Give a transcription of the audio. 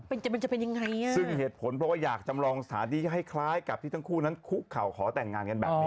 มันจะเป็นยังไงอ่ะซึ่งเหตุผลเพราะว่าอยากจำลองสถานที่ให้คล้ายกับที่ทั้งคู่นั้นคุกเข่าขอแต่งงานกันแบบนี้